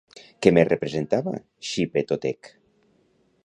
Què més representava Xipe-Totec?